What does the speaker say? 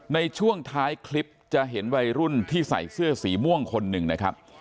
ในช่วงท้ายคลิปจะเห็นวัยรุ่นที่ใส่เสื้อสีม่วงคนหนึ่งนะครับ